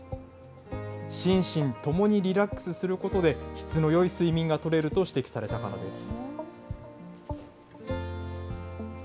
心身ともにリラックスすることで、質のよい睡眠がとれると指摘されたからです。